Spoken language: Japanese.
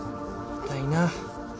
痛いな。